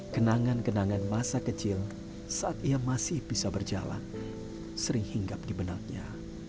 kenangan kenangan masa kecil saat ia masih bisa berjalan sering hinggap di benaknya